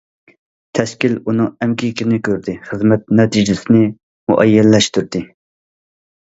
تەشكىل ئۇنىڭ ئەمگىكىنى كۆردى، خىزمەت نەتىجىسىنى مۇئەييەنلەشتۈردى.